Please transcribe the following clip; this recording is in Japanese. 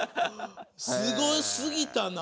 すごすぎたな。